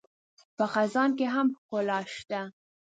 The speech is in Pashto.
په خزان کې هم ښکلا شته